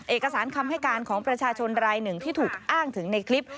เอกสารคำให้การของประชาชนรายหนึ่งที่ถูกอ้างถึงในคลิป